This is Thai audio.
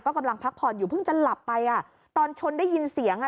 กำลังพักผ่อนอยู่เพิ่งจะหลับไปอ่ะตอนชนได้ยินเสียงอ่ะ